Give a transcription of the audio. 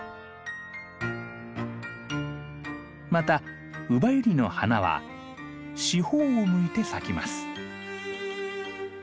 またウバユリの花は四方を向いて咲きます。